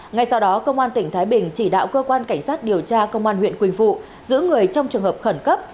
ngay sau đó công an tỉnh thái bình chỉ đạo cơ quan cảnh sát điều tra công an huyện quỳnh phụ giữ người trong trường hợp khẩn cấp